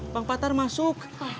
bang patar masuk